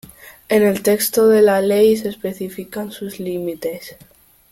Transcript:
En el texto de la ley se especifican sus límites.